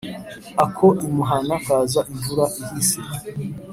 Ako imuhana kaza imvura ihise.